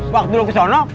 waktu lu ke sana